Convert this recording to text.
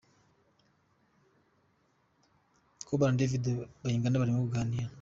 Cobra na David Bayingana barimo baganira.